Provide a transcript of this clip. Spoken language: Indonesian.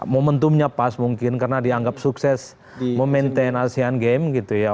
momentumnya pas mungkin karena dianggap sukses memaintain asean games gitu ya